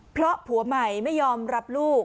เพราะผัวใหม่ไม่ยอมรับลูก